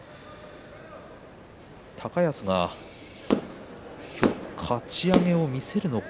高安がかち上げを見せるのか。